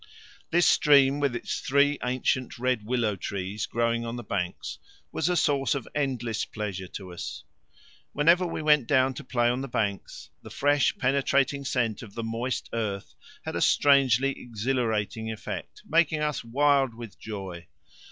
This stream, with its three ancient red willow trees growing on the banks, was a source of endless pleasure to us. Whenever we went down to play on the banks, the fresh penetrating scent of the moist earth had a strangely exhilarating effect, making us wild with joy.